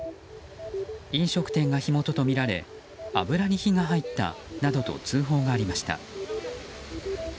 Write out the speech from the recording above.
飲食店が火元とみられ油に火が入ったなどと通報がありました。